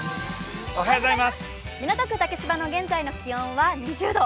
港区竹芝の現在の気温は２０度。